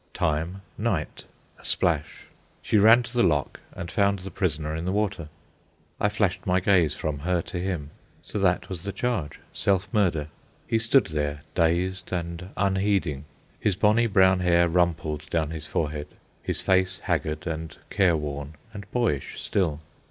Time, night; a splash; she ran to the lock and found the prisoner in the water. I flashed my gaze from her to him. So that was the charge, self murder. He stood there dazed and unheeding, his bonny brown hair rumpled down his forehead, his face haggard and careworn and boyish still.